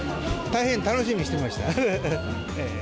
大変楽しみにしてました。